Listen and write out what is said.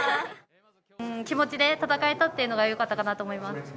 気持ちで戦えたっていうのがよかったかなと思います。